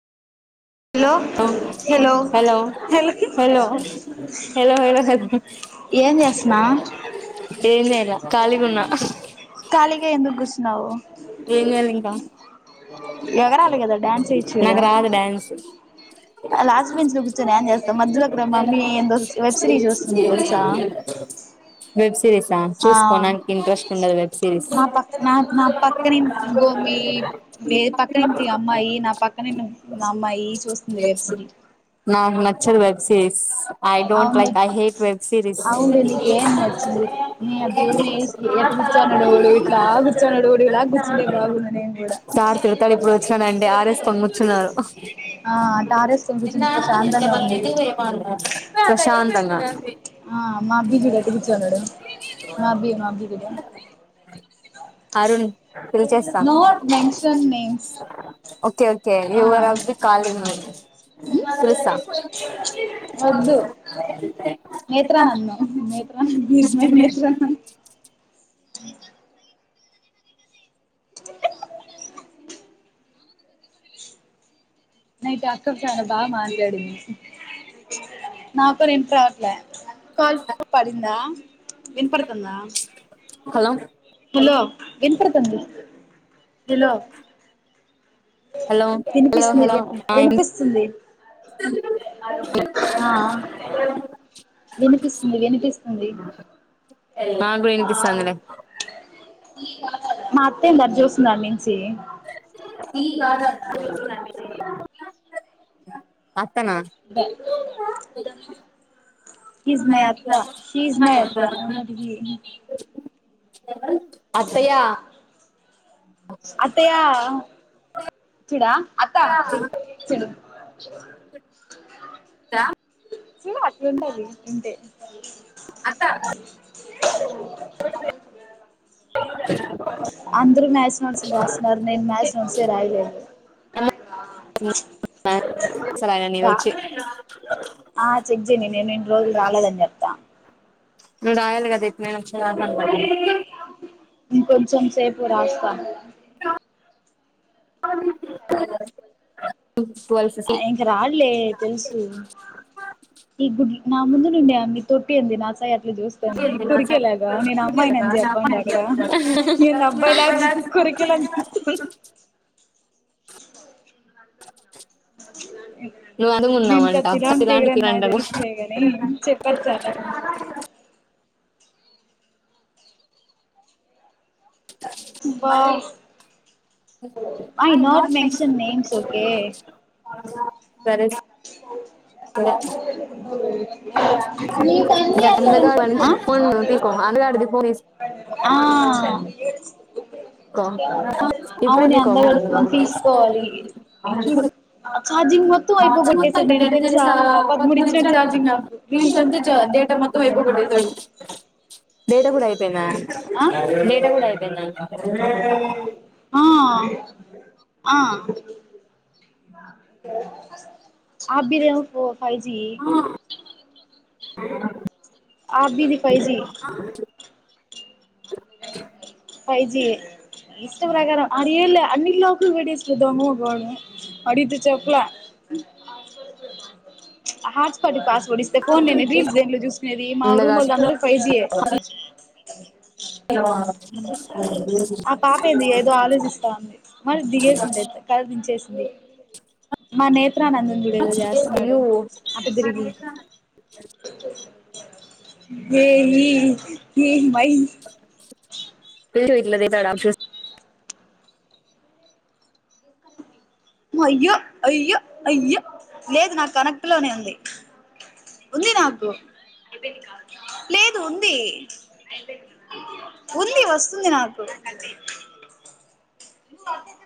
Hello hello hello ఏం చేస్తన్నావ్ కాలీ గా ఎందుకు కూర్చున్నావు ఏం చేయాల ఇంకా నాకు రాదు డాన్స్ [inaudible] [unintelligible] వెబ్ సిరీసా చూసుకోనానికి ఇంట్రెస్ట్ ఉండదు వెబ్ సిరీస్ ఇంకో మీ మీ పక్కనింటి అమ్మాయి నా పక్కన ఇన్ నా అమ్మాయి [inaudible] నాకు నచ్చదు web series I don't like I hate web series ఆ తల సార్ తిడుతారు ఇప్పుడు వచ్చినాడంటే ఆర్ఎస్ కొని కూర్చున్నారు ఎ ప్రశాంతంగా ఆ మాబి చూడు ఎట్టా కూర్చున్నాడో మాబి మాబి చూడు అరుణ్ పిలిచేస్తా okay okay your off the calling చేస్తా [unintelligible] [unintelligible] [unintelligible] నైట్ అక్క చానా బాగా మాట్లాడింది నాకు కూడ ఇనపరావట్లే కాల్ పడిందా వినిపడుతుందా కోలా హలో! ఎంతంటారు. Hello hello! హలో! హలో! [unintelligible] వినిపిస్తుంది వినిపిస్తుంది ఐ యామ్ గోయింగ్ టు సంగ్నే మా అత్త ఏంది అటుచూస్తుంది అట్నుంచి. [inaudible] [unintelligible] షి ఈస్ మై అత్త షి ఈస్ మై అత్త. ఎవ [unintelligible] అత్తయ్యా వీడు అత్తా చూడు [unintelligible] చ అట్లుంటది ఉంటే అత్తా [inaudible] మ్యాథ్స్ నోట్స్ రాస్తున్నారు నేను మ్యాథ్స్ నోట్స్ ఎ రాయలేదు. ద ఆ చెక్ చేయని నేను రెండు రోజులు రాలేదని చెప్తా. నువ్వు రాయాలి కదా ఎట్ నుంచి అయినా రా ఇంకొంచెం సేపు రాస్తా [inaudible] ఆ ఇంగ రాడ్లే తెలుసు ఈ గు నా ముందు నుండి అన్న తొట్టి ఏంది నా సయ్యర్ చూస్తుంది కురికేలాగా, నేను అమ్మాయినని చెప్పండి. అక్కడ నేను అబ్బాయిలా కొరికేలాగ చూస్తుందా అ ఎ [inaudible] నేనుకా తిరాణ దగ్గర నాకు తెలుసులే కానీ చెప్పక్కా [unintelligible] అబ్బా [inaudible] సరే ఎంత కాాల అందు కా [unintelligible] బేల్ పూరీస్ ఆ క ఇప్పుడది కామన్ మత్త నెం దసా పరిచ్చజ చ [unintelligible] డేటా మొత్తం అయిపోతుంది, డేటా కూడా అయిపోయిందా? డేటా కూడా అయిపోయిందా? [inaudible] ఆ ఆ అభి రేవ్ ఫో five G [inaudible] అభిది five G [inaudible] five G ఏ ఇష్ట ప్రకారం అరేల్ అన్ని లోకులు [unintelligible] దంగ మొఖం గాడు అడిగితే చెప్పలే అ [unintelligible] హిట్స్పాట్ పాస్వర్డ్ కొనిస్తే ఫో నేనిది మేము చూసుకునేది మా రూమ్ వాళ్ళ అందరిది ఫైవ్ జీ ఎ ఆ పాప ఏంది ఏదో ఆలోచిస్తా ఉంది మళ్లి దిగేసింది అయితే ఆల్ దిన్ చేసింది మా నే ప్రా నందును గూడ ఏదో జెస్తున్నాడు అటు తిరిగి ఏ ఈ ఎం అయింది రిషుడు గిల్లా ఓపిషన్స్ అయ్యో అయ్యో అయ్యో లేదు నా కనక్ట్ లోనే ఉంది ఉంది నాకు లేదు ఉంది ఉంది వస్తుంది నాకు నువ్వు అతే చెప్పు